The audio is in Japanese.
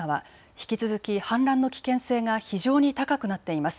引き続き氾濫の危険性が非常に高くなっています。